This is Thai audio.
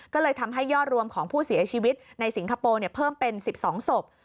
ก็เลยทำให้ยอดรวมของผู้เสียชีวิตในสิงคโปร์เพิ่มเป็น๑๒ศพ